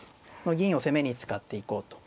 銀を攻めに使っていこうと。